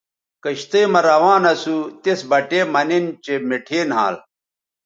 کشتئ مہ روان اسو تس بٹے مہ نِن چہء مٹھے نھال